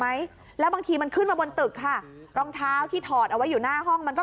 ไหมแล้วบางทีมันขึ้นมาบนตึกค่ะรองเท้าที่ถอดเอาไว้อยู่หน้าห้องมันก็